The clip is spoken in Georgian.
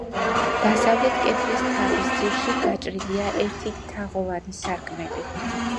დასავლეთ კედლის თაღის ძირში გაჭრილია ერთი თაღოვანი სარკმელი.